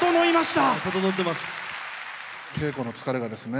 稽古の疲れがですね